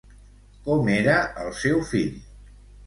Com era el seu fill?